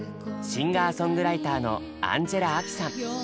シンガーソングライターのアンジェラ・アキさん。